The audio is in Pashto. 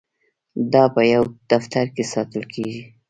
دا په یو دفتر کې ساتل کیږي.